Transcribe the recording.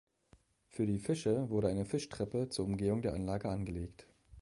Für die Fische wurde eine Fischtreppe zur Umgehung der Anlage angelegt.